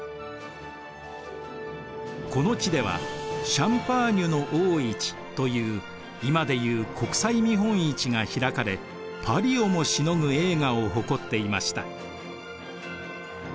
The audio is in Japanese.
この地では「シャンパーニュの大市」という今でいう国際見本市が開かれパリをもしのぐ栄華を誇っていました。